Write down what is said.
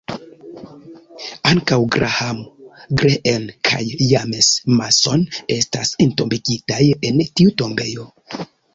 Ankaŭ Graham Greene kaj James Mason estas entombigitaj en tiu tombejo.